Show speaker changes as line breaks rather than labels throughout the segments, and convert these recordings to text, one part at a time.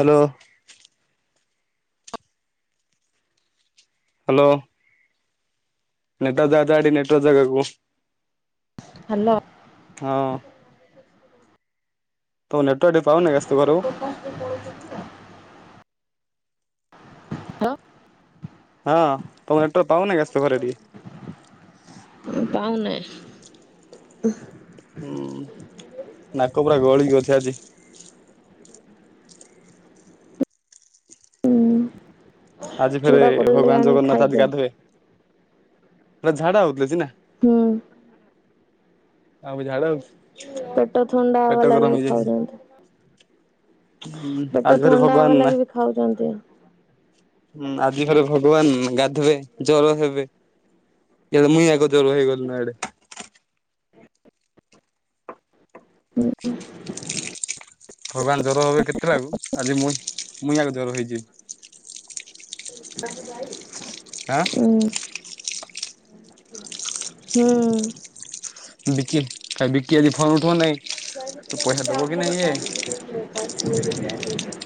Hello. Hello. ନେଟା ଜା ଜାଗାଡି ନେଟୱର୍ ଜାଗକୁ
ହ୍ୟାଲୋ।
ହଁ ତମ ନେଟୱରକେ ଟିକେ ପାଉନି ଆସ୍ ତୁ ଘରକୁ
[unintelligible] ଦ
ହଁ ତମ ନେଟ୍ୟାର୍କ ପାଉନ ଘରେ ଟି
ପାଉନାହିଁ।
ହୁଁ ନାକ ପୁରା ଗଳିି ଆଜି।
ହୁଁ
ଆଜି ଫେରେ
ଚୁଡା କଦଳୀ
ଭଗବାନ
ଆଣିକି
ଜଗନ୍ନାଥ ଆଜି
ଖାଇଦିଅ।
ଗାଧେଇବେ ସେ ଛାଡ କିଛି ନାଇ।
ହୁଁ।
ମୁଁ ଝାଡା ହେଉଛି।
ପେଟ ଥଣ୍ଡା ହବା ଲାଗି ଖାଉଛନ୍ତି।
ହୁଁ ଆଜି
ପେଟ
ଫେରେ
ଥଣ୍ଡା
ଭଗବାନ
ହବା
ନା
ଲାଗି ବି ଖାଉଛନ୍ତି।
ହୁଁ ଆଜି ଘରେ ଭଗବାନ ଗାଧେଇବେ ଜର ହେବେ। କେବେ ମୁଇଁ ଜର ହେଇ ଗଳି ଆଡେ।
ହୁଁ [inaudible]
ଭଗବାନ ଜର ହେବେ କେତେଟା ବେଳକୁ ଆଜି ମୁଇଁ ଜର ହେଇଯିବି।
[inaudible]
ଆଁ।
ଉଁ ହୁଁ।
ବିକି ବିକି ଆଜି ଫୋନ ଉଠଉ ନାଇଁ ପଇସା ଦବ କି ନାଇଁ ଏ।
ହ [inaudible]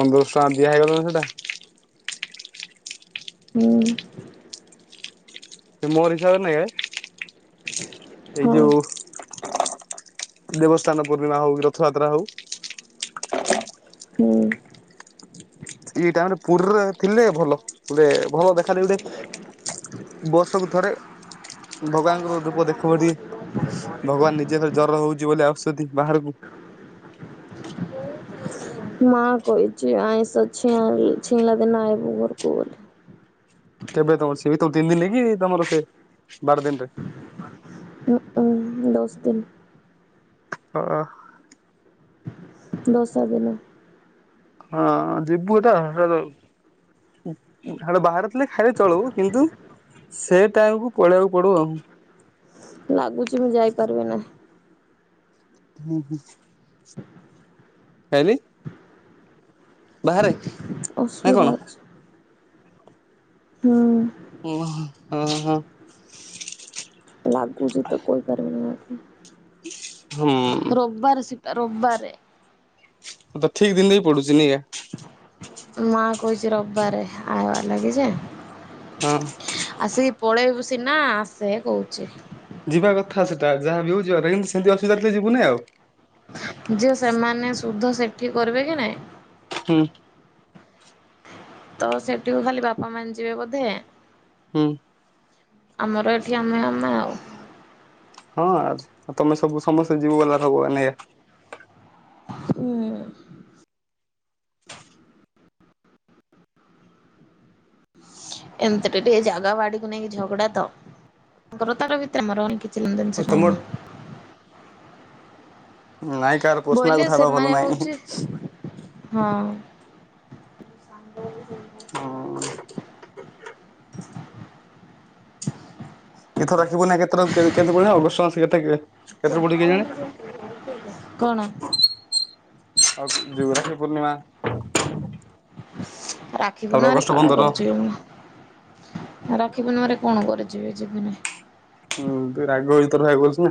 ପନ୍ଦରଶହ ଟଙ୍କା ଦିଆହେଇ ଗଲାଣି ସେଟା।
ହୁଁ।
ସେ ମୋରି ହିସାବରେ ନେବେ। ଏଇ
ହଁ
ଯୋଉ ଦେବସ୍ଥାନ ପୂର୍ଣ୍ଣିମା ହଉ ରଥଯାତ୍ରା ହଉ।
ହୁଁ।
ଦିଟାଙ୍କ ପୁରୀରେ ଥିଲେ ଭଲ ଗୋଟେ ଭଲ ଦେଖା ଗୋଟେ। ବର୍ଷକୁ ଥରେ ଭଗବାନଙ୍କର ରୂପ ଦେଖିବ ଟି। ଭଗବାନ ନିଜେ ଜର ହଉଛି ବୋଲି ଆସୁଛନ୍ତି ବାହାରକୁ।
ମା କହିଛି ଆଇଁଷ ଛିଁ ଛିଇଁଲା ଦିନ ଆଇବୁ ଘରକୁ ବୋଲି।
କେବେ ନବ ସିଏ ବି ତିନି ଦିନ କି ତମର ସେ ବାର ଦିନରେ।
ଓ ଓ [unintelligible] ଦଶ ଦିନ।
ଓହ [unintelligible]
ଦଶ ଦିନ।
ହଁ ଯିବୁଟା। ବାହାରେ ଥିଲେ ଖାଇଲେ ଚଳୁ କିନ୍ତୁ ସେଠାକୁ ପଲେଇବାକୁ ପଡୁ ଆଉ।
ଲାଗୁଛି ମୁଁ ଯାଇପାରିବି ନାହିଁ।
ହୁଁ ହୁଁ। ଖାଇଲି। ବାହାରେ। ନା କଣ
ଅଶୁଵିଧା ଅଛି। ହୁଁ।
ଉଁ ହୁଁ ଆଁ।
ଲାଗୁଚି ତ କହି ପାରିବିନି ମମ୍
ହୁଁ
ରବିବାର ସେ ଦି ରବିବାରେ।
ଠିକ ଦିନରେ ହି ପଡୁଛିି ନେଇ ଆ।
ମା କହୁଛି ରବିବାରେ ଆସିବା ଲାଗି ଯେ
ହଁ।
ଆସିକି ପଳେଇବୁ ସିନା ଆସେ କହୁଛି।
ଯିବା କଥା ସେଟା ଯାହା ବି ହେଉ ଯିବା ସେମିତି ଅସୁବିଧ ଥିଲେ ଯିବୁନି ଆଉ।
ଯେ ସେମାନେ ସୁଧ ସେଠି କରିବେ କି ନାଇଁ।
ହୁଁ।
ତ ସେଠିକୁ ଖାଲି ବାପା ମାନେ ଯିବେ ବୋଧେ।
ହୁଁ।
ଆମର ଏଠି ଆମେ ଆମେ ଆଉ।
ହଁ ଆଉ ତମେ ସବୁ ସମସ୍ତେ ଯିବୁ ଗଲା ସବୁ [unintelligible]
ହୁଁ। ଏମିତି ରେ ବି ଏ ଜାଗା ବାଡିକୁ ନେଇକି ଝଗଡା ତ ତାଙ୍କର ତାଙ୍କ ଭିତରେ ମରା
ଓ
ମରି
ତମର
[unintelligible]
ନାଇଁ କାର ପର୍ସନାଲ
ବୋଇଲେ
କଥା ହବା
ସେମାନେ
ଭଲ
ହଉଛି
ନାଇଁ।
ହଁ। [unintelligible]
ହଁ। ଏଥର ରାଖିପୂର୍ଣ୍ଣିମା କେତେ କେବେ ପଡିଲା ଅଗଷ୍ଟ ମାସ କେତେ ତାରିଖ ରେ?
[inaudible] କଣ?
ଆଉ [inaudible] ରାକ୍ଷୀ ପୂର୍ଣ୍ଣିମା।
ରାକ୍ଷୀ
ତାପରେ
ପୂର୍ଣ୍ଣମାରେ
ଅଗଷ୍ଟ
କଣ
ପନ୍ଦର
କରୁଚୁ? ରାକ୍ଷୀପୂର୍ଣ୍ଣିମାରେ କଣ କରୁଚି କି ଯିବିନି?
ହୁଁ ତୁ ରାଗ ଭିତର ଭାଇ କରୁଛୁ ନା।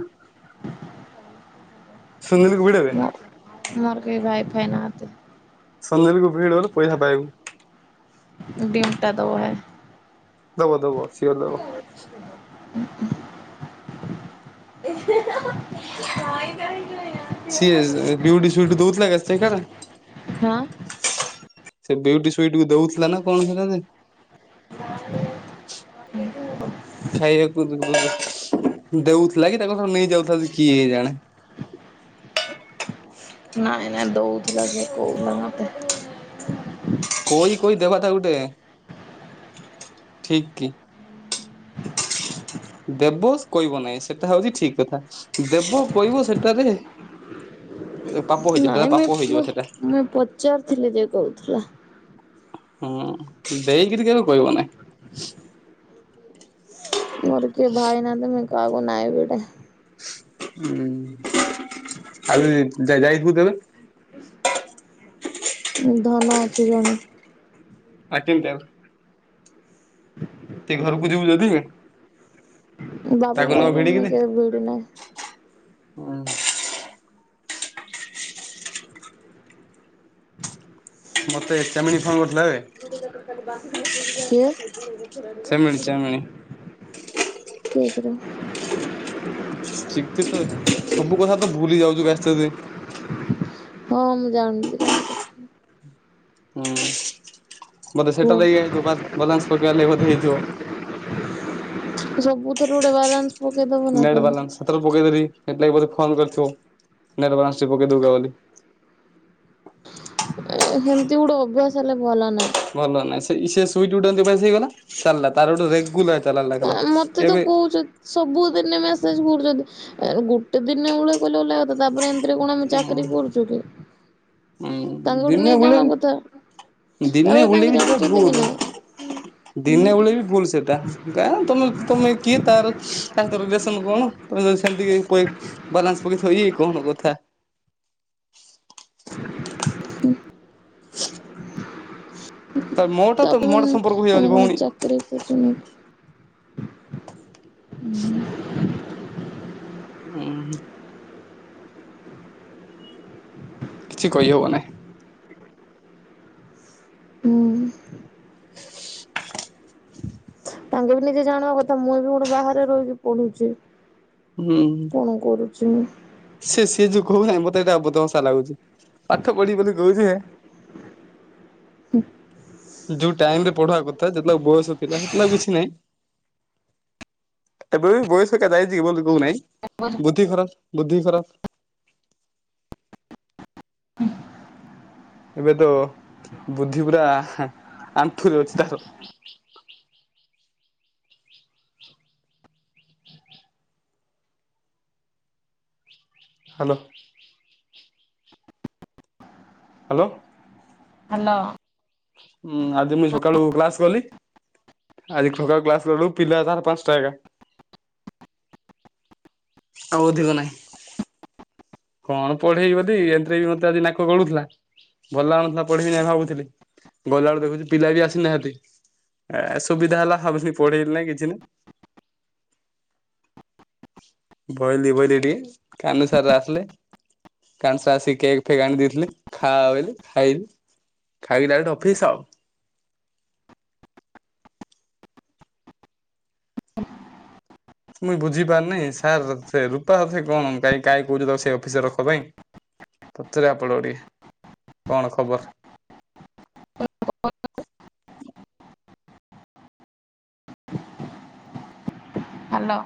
ସୁନୀଲ ବଡ [inaudible]
ମୋର କେଏ ଭାଇଫାଇ ନାହାଁନ୍ତି।
ସଲନାଇନ୍ କୁ ଭିଡରୁ ପଇସା ପାଇବୁ।
ଦୀମ ଟା ଦବ ଭାଇ।
ଦବ ଦବ ସିଓର ଦବ।
ନାଇଁ ନାଇଁ [unintelligible]
ସିଏ ବିଉଟି ଶୁଇଟି ଦଉଥିଲା [unintelligible]
ହଁ।
ସେ ବିଉଟି ସୁଇଟି କୁ ଦଉଥିଲା ନା କଣ ସେଇଟା ଯେ
[inaudible]
ଖାଇବାକୁ ଦେଉଥିଲା କି ତାଙ୍କ ଠାରୁ ନେଇଯାଉଥାନ୍ତି କିଏ ଜାଣେ?
ନାଇଁ ନାଇଁ ଦଉଥିଲା ସେ କହୁଥିଲା ମତେ।
କହି କହି ଦେବା ଟା ଗୋଟେ ଠିକ୍ କି? ଦେବ କଇବ ନାହିଁ ସେଇଟା ହଉଛି ଠିକ୍ କଥା ଦେବ କହିବ ସେଟାରେ ପାପ ହେଇଯିବ ସେଟା
ନାଇଁ ମେ
ପାପ ହେଇଯିବ
ମୁଁ
ସେଟା
ପଚାରିଥିଲି ଯେ କଉଥିଲା।
ହୁଁ ଦେଇକିରି କେବେ କହିବ ନାଇଁ।
ମୋର କେହି ଭାଇ ନାଆନ୍ତି ମୁଁ କାହାକୁ ନାଇବି ଗୁଟେ।
ହୁଁ ଆରେ ଯାଇଥିବୁ କେବେ?
ଧନ ଅଛି ଜଣେ।
[unintelligible] ସେ ଘରକୁ ଯିବୁ ଯଦି
ବାବୁ
ତାକୁ ନ
ମାନଙ୍କୁ ମୁଇଁ
ଭିଡିକିରି
କେବେ ଭିଡି ନାହିଁ।
ହୁଁ। ମତେ ଚାମିନୀ ଫୋନ୍ କରିଥିଲା ହେ।
[inaudible] କିଏ?
ଚେମିଣୀ ଚାମିଣୀ।
କିଏ ସେ ରେ?
ଶିକ୍ ତେ ତ ସବୁ କଥା ତ ଭୁଲି ଯାଉଚୁ ବ୍ୟାସ୍ତ ରେ।
ହଁ ମୁଁ ଜାଣଲି ଜାଣିଲି।
ହୁଁ ବୋଧେ
କୁହ
ସେଟା ଲାଗିଆ ହେଇଥିବ ବାଦ୍ ବାଲାନ୍ସ ପକାଇବା ଲାଗି ବୋଧେ ହେଇଥିବ।
ସବୁଥରେ ଗୁଟେ ବାଲାନ୍ସ ପକେଇଦବ ନା
ନେଟ୍
କଣ?
ବାଲାନ୍ସ ସେଥରବି ପକେଇଦେଲି ସେଥି ଲାଗି ବୋଧେ ଫୋନ କରିଥିବ। ନେଟ୍ ବାଲାନ୍ସ ଟିକେ ପକେଇ ଦବ ବୋଲି।
ଏ ହେମିତି ଗୁଟେ ଅଭ୍ୟାସ ହେଲେ ଭଲ ନାଇଁ।
ଭଲ ନାଇଁ ସେଇ ସେ ସୁଇଟି ଗୁଟେ ନିବାସ ହେଇଗଲା ଚାଲିଲା ତାର ସେଠୁ ରେଗୁଲାର ଚାଲାନ ଲାଗିଗଲା। ଏବେ
ସବୁ ଦିନେ ମେସେଜ କରୁଛନ୍ତି ଏ ଗୁଟେ ଦିନ ଉଳେ କହିଲେ ଅଲଗା କଥା ତାପରେ ଏମିତିରେ କଣ ଆମେ
ଉଁ
ଚାକିରି କରୁଛୁ କି।
ଉଁ
ତାଙ୍କଠୁ
ଦିନେ
ନେଇ
ବେଳେ
ଜିଣା କଥା।
ଦିନେ
ତାପରେ
ହୁଳି
ତାଙ୍କେ
ବି ସେଟା
ଜାଣିଛନ୍ତି କି
ଭୁଲ
ନାଇଁ ହୁଁ
ଦିନେ ବୁଳେଇ ବି ଭୁଲ ସେଟା। ଗାଁ ତମେ ତମେ କିଏ ତାର ଏନ୍ତ ରିଲେସନ କଣ? କହିବ ସେମିତି ପ ବାଲାନ୍ସ ପକେଇ ଥିବ ଏକଣ କଥା?
ହୁଁ
ତ ମୋଟା
ତା
ତ
ପରେ
ମୋଟା
ବି
ସମ୍ପର୍କ ହେଇଯାଉଛି
ଆମେ କଣ
ଭଉଣୀ
ଚାକିରୀ କରୁଛନ୍ତି।
ଉଁ ହୁଁ। ଛି କହିହବ ନାହିଁ।
ଉଁ ହୁଁ। ତାଙ୍କେ ବି ନିଜେ ଜାଣିବା କଥା ମୁଁ ଏବେ ଗୋଟେ ବାହାରେ ରହିକି ପଢୁଛି।
ହୁଁ ହୁଁ।
କଣ କରୁଛ ଏବେ?
ସେ ସିଏ ଯୋଉ କହୁନାହିଁ ମତେ ଏଇଟା ବୋହୁତ ହସା ଲାଗୁଛି। ପାଠ ପଢି ବୋଲି କହୁଥିବେ
ହୁଁ।
ଯୋଉ ଟାଇମ୍ ରେ ପଢିବା କଥା ଯେତେବେଳେ ବୟସ ଥିଲା ସେତେ ବେଳେ କିଛି ନାଇଁ। ଏବେ ବି ବୟସ କେତେ ହେଇଛି କି ମତେ କହୁନାହିଁ ବୁଦ୍ଧି ଖରାପ ବୁଦ୍ଧି ଖରାପ।
[inaudible]
ଏବେ ତ ବୁଦ୍ଧି ପୁରା ଆଣ୍ଠୁରେ ଅଛି ତାର। ହାଲୋ। ହାଲୋ।
ହାଲୋ।
ହୁଁ ଆଜି ମୁ ସକାଳୁ କ୍ଲାସ ଗଲି। ଆଜି ସକାଳୁ କ୍ଲାସ ଗଲୁ ପିଲା ଥାର ପାଞ୍ଚଟା ଗା ଆଉ ଅଧିକ ନହିଁ। କଣ ପଢେଇବ ଦି ଏମତିରେ ବି ମତେଆଜି ନାକ ଗଳୁଥିଲା। ଭଲ ଲାଗୁ ନ ଥିଲା ପଢେଇବିନି ଭାବୁଥିଲି ଗଲାବେଳକୁ ଦେଖୁଛି ପିଲା ବି ଆସିି ନାହାନ୍ତି। ଏ ସୁବିଧା ହେଲା ହାଉ ବି ପଢେଇଲି ନେଇଁ କିଛି ନାଇ। ବଇଲି ବଇଲି ଟିକେ କାହ୍ନୁ ସାର ଆସିଲେ କାହ୍ନୁ ସାର୍ ଆସିକି କେକ୍ ଫେକ୍ ଆଣି ଦେଇଥିଲି ଖାଆ ବେଲି ଖାଇଲୁ। ଖାଇକି ଡାଇରେକ୍ଟ ଅଫିସ୍ ଆଉ।
[inaudible]
ମୁ ବୁଝିପାରୁନି ସାର୍ ସେ ରୂପା ଅଫିସ୍ ରେ କଣ କାଇଁ କାହିଁ କହୁଛ ସେ ସେଇ ଅଫିସରେ ରଖ ପାଇଁ। ପଚାରେ ଆପଣଙ୍କୁ ଟିକେ। କଣ ଖବର?
[unintelligible] [inaudible] ହାଲୋ